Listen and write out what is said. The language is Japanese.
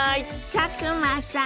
佐久間さん。